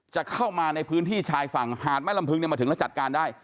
จะเข้ามาในพื้นที่ชายฝั่งหาดแม่ลำพึงมาถึงแล้วจัดการได้